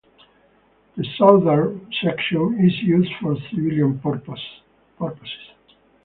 The southern section is used for civilian purposes.